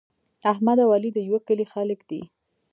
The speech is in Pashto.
احمد او علي د یوه کلي خلک دي.